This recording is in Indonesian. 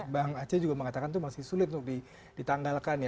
bang aceh juga mengatakan itu masih sulit untuk ditanggalkan ya